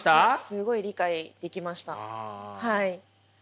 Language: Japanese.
すごい理解できましたはい。